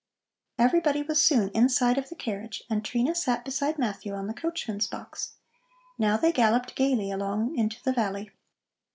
Everybody was soon inside of the carriage, and Trina sat beside Matthew on the coachman's box. Now they galloped gaily along into the valley.